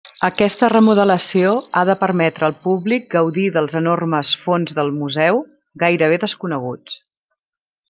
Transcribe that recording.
Aquesta remodelació ha de permetre al públic gaudir dels enormes fons del museu, gairebé desconeguts.